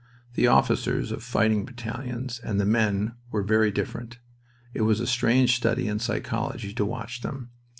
The officers of fighting battalions and the men were very different. It was a strange study in psychology to watch them.